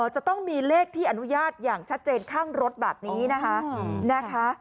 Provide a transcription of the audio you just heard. จะต้องมีเลขที่อนุญาตอย่างชัดเจนข้างรถแบบนี้นะคะ